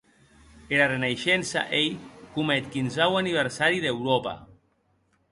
Era Renaishença ei coma eth quinzau aniversari d'Euròpa.